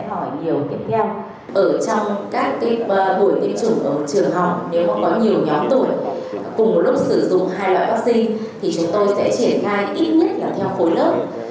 ở trong các buổi tiêm chủng ở trường học nếu có nhiều nhóm tuổi cùng lúc sử dụng hai loại vaccine thì chúng tôi sẽ triển khai ít nhất là theo khối lớp